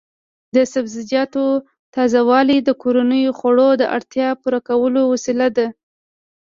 د سبزیجاتو تازه والي د کورنیو خوړو د اړتیا پوره کولو وسیله ده.